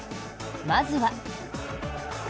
まずは。